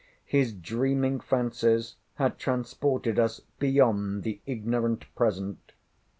His dreaming fancies had transported us beyond the "ignorant present."